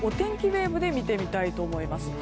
ウェーブで見てみたいと思います。